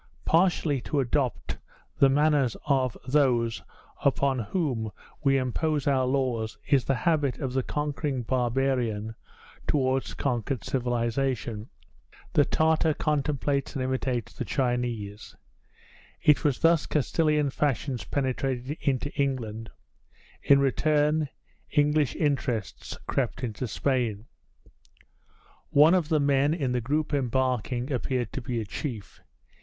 Partially to adopt the manners of those upon whom we impose our laws is the habit of the conquering barbarian towards conquered civilization. The Tartar contemplates and imitates the Chinese. It was thus Castilian fashions penetrated into England; in return, English interests crept into Spain. One of the men in the group embarking appeared to be a chief.